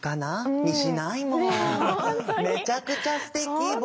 めちゃくちゃすてき。